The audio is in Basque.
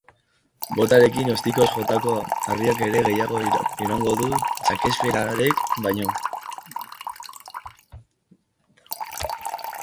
Botarekin ostikoz jotako harriak ere gehiago iraungo du Shakespearek baino.